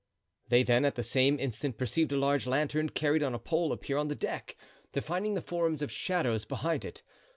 They then at the same instant perceived a large lantern carried on a pole appear on the deck, defining the forms of shadows behind it.